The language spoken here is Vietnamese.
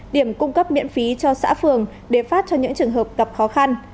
điểm cung cấp miễn phí cho xã phường để phát cho những trường hợp gặp khó khăn